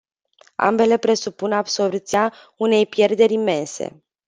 Ambele presupun absorbția unei pierderi imense.